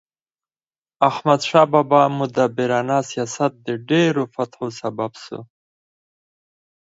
احمدشاه بابا مدبرانه سیاست د ډیرو فتحو سبب سو.